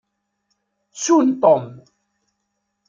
Ttun Tom.